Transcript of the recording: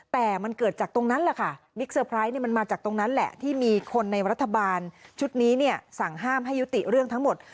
แต่มันเกิดจากตรงนั้นแหละค่ะบิ๊กเซอร์ไพรส์มันมาจากตรงนั้นแหละที่มีคนในรัฐบาลชุดนี้เนี่ยสั่งห้ามให้ยุติเรื่องทั้งหมด